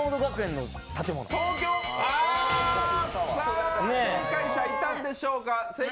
あー、正解者いたんでしょうか？